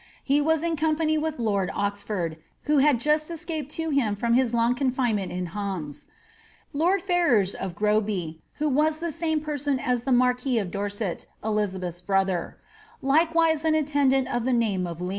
He was in company with lord Oxford, who had just escaped to him bom his long confinement in Hammes ; lord Ferrars ^of Groby), who was the same person as the marquis of Dorset, Elizabeth's brother ; like* wise an attendant of the name of Lee.